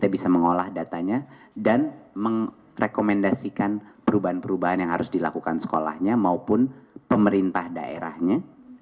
bisa mengolah datanya dan merekomendasikan perubahan perubahan yang harus dilakukan sekolahnya maupun pemerintah daerahnya